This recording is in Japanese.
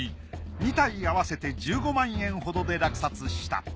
２体合わせて１５万円ほどで落札した。